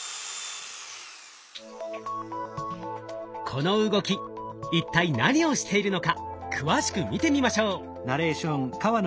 この動き一体何をしているのか詳しく見てみましょう。